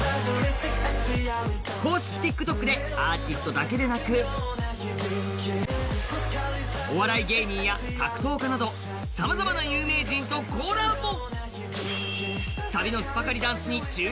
公式ＴｉｋＴｏｋでアーティストだけでなく、お笑い芸人や格闘家などさまざまな有名人とコラボ。